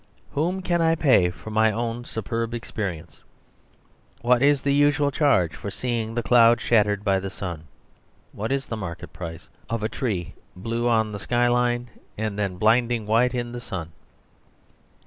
"Whom can I pay for my own superb experience? What is the usual charge for seeing the clouds shattered by the sun? What is the market price of a tree blue on the sky line and then blinding white in the sun?